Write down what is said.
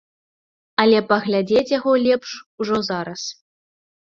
Але паглядзець яго лепш ужо зараз.